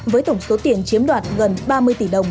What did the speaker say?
với tổng số tiền chiếm đoạt gần ba mươi tỷ đồng